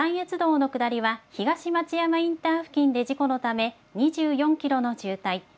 関越道の下りは、東松山インター付近で事故のため、２４キロの渋滞。